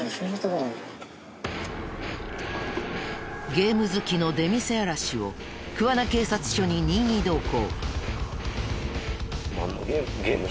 ゲーム好きの出店あらしを桑名警察署に任意同行。